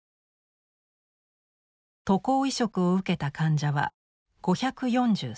渡航移植を受けた患者は５４３名。